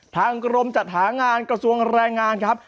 ทางกรมจัดหางานกระทรวงแรงงานครับ